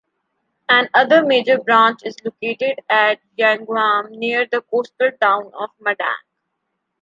Another major branch is located at Yagaum, near the coastal town of Madang.